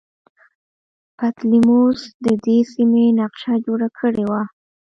بطلیموس د دې سیمې نقشه جوړه کړې وه